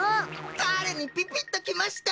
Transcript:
かれにピピッときました！